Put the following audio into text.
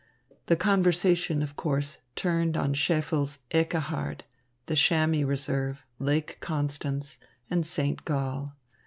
The conversation, of course, turned on Scheffel's "Ekkehard," the chamois reserve, Lake Constance, and St. Gall.